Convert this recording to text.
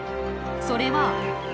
それは。